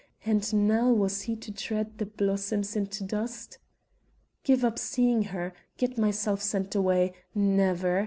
And now was he to tread the blossoms into dust? "Give up seeing her get myself sent away never!